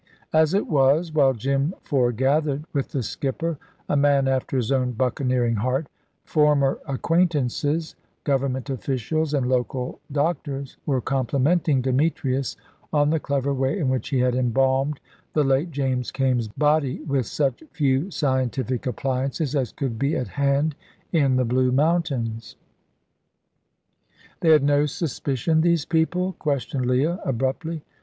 As it was, while Jim foregathered with the skipper a man after his own buccaneering heart former acquaintances, Government officials, and local doctors were complimenting Demetrius on the clever way in which he had embalmed the late James Kaimes' body, with such few scientific appliances as could be at hand in the Blue Mountains. "They had no suspicion these people?" questioned Leah, abruptly.